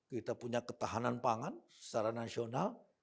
kita punya ketahanan pangan secara nasional